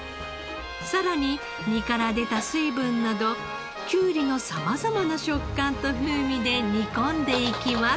さらに身から出た水分などきゅうりの様々な食感と風味で煮込んでいきます。